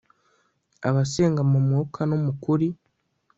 abasenga mu mwuka no mu kuri